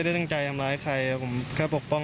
แล้วถ้าเหตุการณ์วันนั้นถ้าน้องไม่ต่อสู้